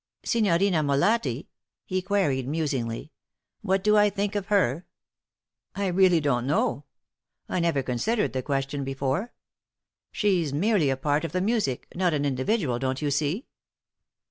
"Signorina Molatti?" he queried, musingly. "What do I think of her? I really don't know. I never considered the question before. She's merely a part of the music not an individual, don't you see?"